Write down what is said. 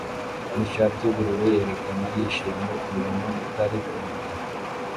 nishati yubururu yerekana yishimye kumuntu utari kumurongo